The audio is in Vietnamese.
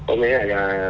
ông ấy lại